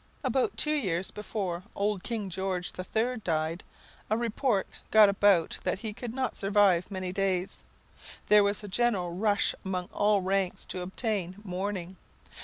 About two years before old King George the Third died, a report got about that he could not survive many days. There was a general rush among all ranks to obtain mourning.